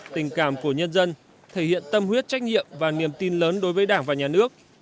tình cảm của nhân dân thể hiện tâm huyết trách nhiệm và niềm tin lớn đối với đảng và nhà nước